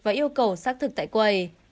và yêu cầu xác thực tại quầy